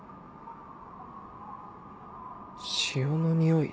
潮のにおい？